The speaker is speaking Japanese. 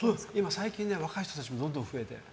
最近若い人たちもどんどん増えて。